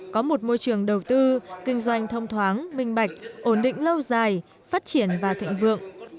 có một môi trường đầu tư kinh doanh thông thoáng minh bạch ổn định lâu dài phát triển và thịnh vượng